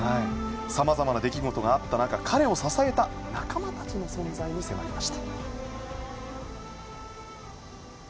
さまざまな出来事があった中、彼を支えた仲間たちの存在に迫りました。